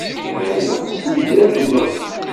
Nɛelleq snitrat-nneɣ.